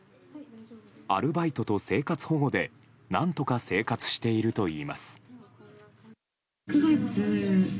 アルバイトと生活保護で何とか生活しているといいます。